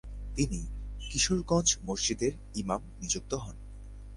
তিনি কিশোরগঞ্জ মসজিদের ইমাম নিযুক্ত হন।